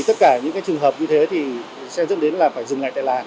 tất cả những trường hợp như thế sẽ dẫn đến phải dừng lại tại làng